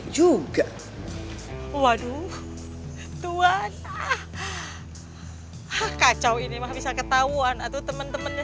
juga waduh tuhan ah kacau ini mah bisa ketahuan atau temen temennya